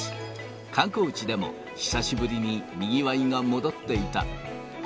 観光地でも久しぶりににぎわいが戻っていた。